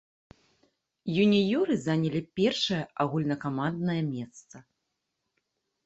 Юніёры занялі першае агульнакаманднае месца.